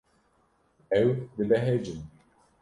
Ew dibehecin.